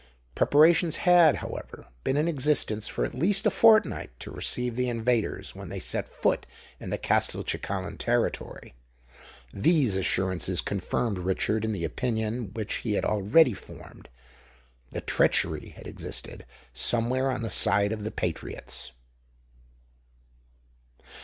Preparations had, however, been in existence for at least a fortnight to receive the invaders when they set foot on the Castelcicalan territory. These assurances confirmed Richard in the opinion which he had already formed, that treachery had existed somewhere on the side of the patriots.